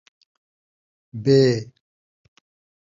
ب